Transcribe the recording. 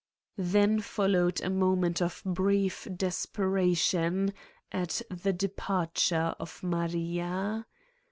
Then followed a moment of brief desperation at the departure of Maria.